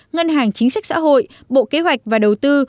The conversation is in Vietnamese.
ngân hàng chính sách xã hội bộ kế hoạch và đầu tư